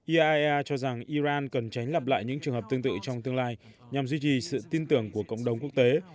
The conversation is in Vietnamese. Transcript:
iaea cho rằng iran cần tránh lặp lại những trường hợp tương tự trong tương lai nhằm duy trì sự tin tưởng của cộng đồng quốc tế